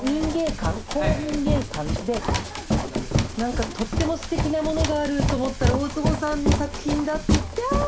何かとってもステキなものがあると思ったら大坪さんの作品だっていってあ！